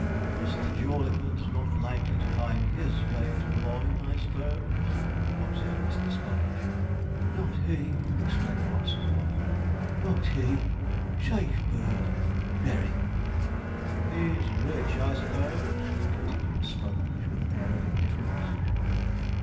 'Mr. Jawleyford's not likely to find his way to Boulogne, I suppose?' observed Mr. Sponge. 'Not he!' exclaimed Watson, 'not he! safe bird very.' 'He's rich, I suppose?' continued Sponge, with an air of indifference.